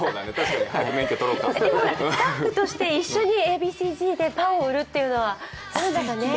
スタッフとして一緒にＡ．Ｂ．Ｃ−Ｚでパンを売るというのは？